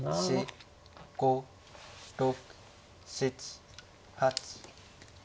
５６７８。